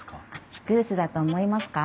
ピクルスだと思いますか？